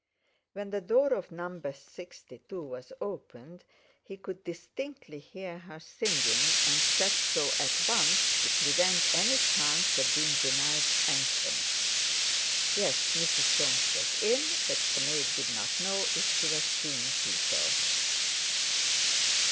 When the door of No.62 was opened he could distinctly hear her singing, and said so at once, to prevent any chance of being denied entrance. Yes, Mrs. Soames was in, but the maid did not know if she was seeing people.